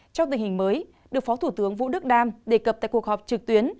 trong tình hình mới được phó thủ tướng vũ đức đam đề cập tại cuộc họp trực tuyến